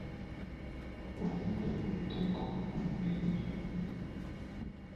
Obulwadde buleeta enkovu ku mubiri ez'olubeerera.